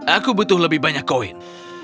aku butuh lebih banyak koin